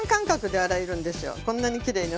こんなにきれいに。